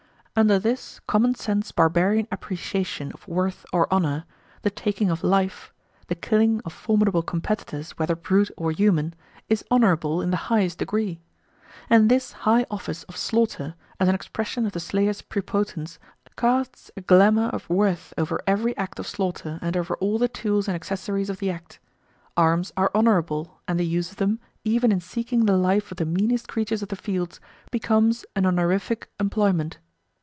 Under this common sense barbarian appreciation of worth or honour, the taking of life the killing of formidable competitors, whether brute or human is honourable in the highest degree. And this high office of slaughter, as an expression of the slayer's prepotence, casts a glamour of worth over every act of slaughter and over all the tools and accessories of the act. Arms are honourable, and the use of them, even in seeking the life of the meanest creatures of the fields, becomes a honorific employment.